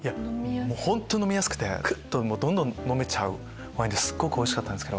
本当に飲みやすくてどんどん飲めちゃうワインですっごくおいしかったんです。